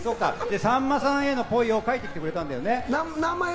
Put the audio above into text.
さんまさんへのぽいを書いてきてくれたんだよね。